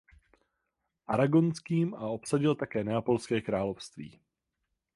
Aragonským a obsadil také Neapolské království.